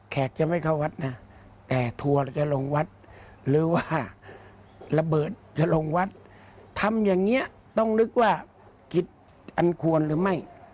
จะไม่เข้าวัดนะแต่ทัวร์จะลงวัดหรือว่าระเบิดจะลงวัดทำอย่างนี้ต้องนึกว่ากิจอันควรหรือไม่